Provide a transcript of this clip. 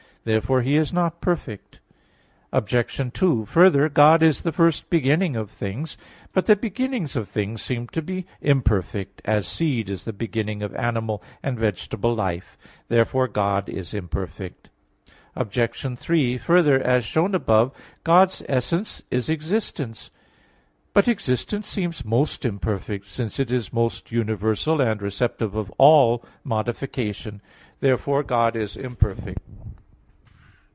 Therefore He is not perfect. Obj. 2: Further, God is the first beginning of things. But the beginnings of things seem to be imperfect, as seed is the beginning of animal and vegetable life. Therefore God is imperfect. Obj. 3: Further, as shown above (Q. 3, A. 4), God's essence is existence. But existence seems most imperfect, since it is most universal and receptive of all modification. Therefore God is imperfect.